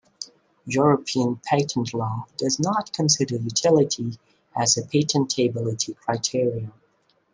European patent law does not consider utility as a patentability criterion.